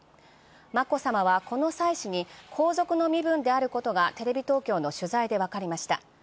眞子さまは皇族と身分であることがテレビ東京の取材でわかりました。